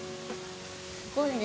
すごいね。